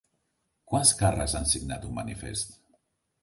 Quants càrrecs han signat un manifest?